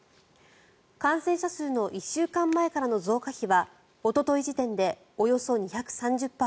感染者数の１週間前からの増加比はおととい時点でおよそ２３０％。